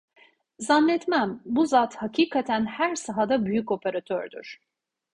Zannetmem! Bu zat hakikaten her sahada büyük operatördür.